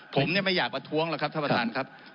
ผมไม่อยากประท้วงแล้วครับท่านประธานครับ